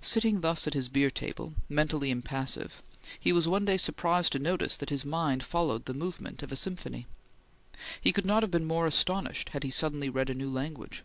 Sitting thus at his beer table, mentally impassive, he was one day surprised to notice that his mind followed the movement of a Sinfonie. He could not have been more astonished had he suddenly read a new language.